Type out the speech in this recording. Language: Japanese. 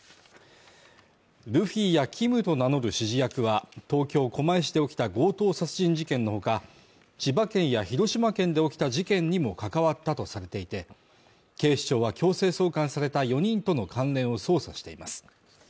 ルフィやＫｉｍと名乗る指示役は、東京狛江市で起きた強盗殺人事件の他千葉県や広島県で起きた事件にも関わったとされていて、警視庁は強制送還された４人との関連を捜査しています。